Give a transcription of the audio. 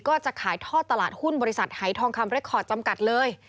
ก็จะขายท่อตลาดหุ้นบริษัทหายทองคำเรคคอร์ดจำกัดเลย